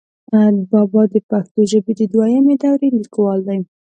بابا دَپښتو ژبې دَدويمي دورې ليکوال دی،